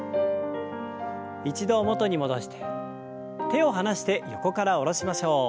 一度元に戻して手を離して横から下ろしましょう。